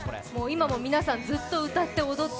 今も皆さんもうずっと、歌って踊って。